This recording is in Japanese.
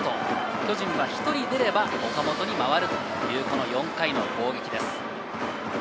巨人は１人出れば岡本に回るという４回の攻撃です。